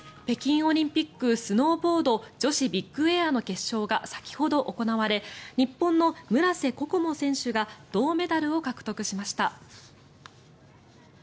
北京オリンピックスノーボード女子ビッグエアの決勝が先ほど行われ日本の村瀬心椛選手が銅メダルを獲得しました。